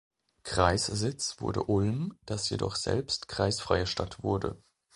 Kreissitz wurde Ulm, das jedoch selbst kreisfreie Stadt wurde.